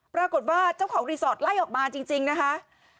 ปรากฏว่าเจ้าของรีสอร์ทไล่ออกมาจริงนะคะ